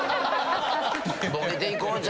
ボケていこうぜ。